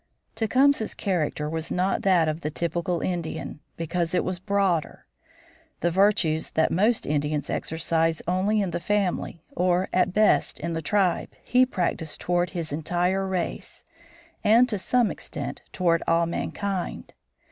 Tecumseh's character was not that of the typical Indian, because it was broader. The virtues that most Indians exercise only in the family, or, at best, in the tribe, he practised toward his entire race, and, to some extent, toward all mankind.